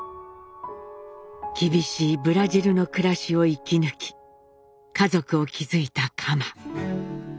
厳しいブラジルの暮らしを生き抜き家族を築いた蒲。